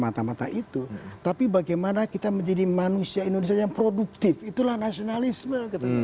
mata mata itu tapi bagaimana kita menjadi manusia indonesia yang produktif itulah nasionalisme